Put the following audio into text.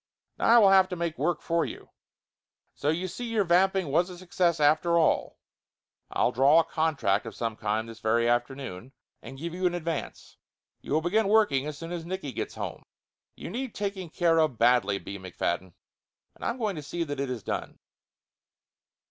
"Now I will have to make work for you! So you see your vamping was a success after all. I'll draw a contract of some kind this very afternoon, and give you an advance. You will begin working as soon as Nicky gets home. You need taking care of badly, B. McFadden, and I'm going to see that it is done."